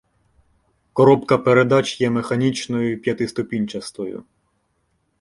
Коробка передач є механічною п'ятиступінчастою.